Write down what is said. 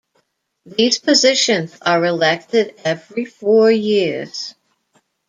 These positions are elected every four years.